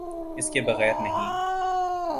اس کے بغیر نہیں۔